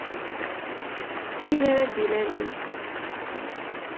Tid ara d-ilalen.